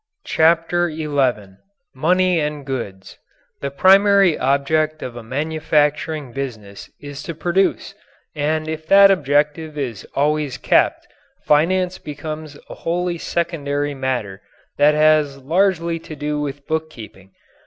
CHAPTER XI MONEY AND GOODS The primary object of a manufacturing business is to produce, and if that objective is always kept, finance becomes a wholly secondary matter that has largely to do with bookkeeping.